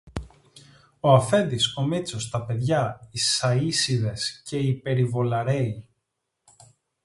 Ο αφέντης, ο Μήτσος, τα παιδιά, οι σαΐσηδες και οι περιβολαρέοι.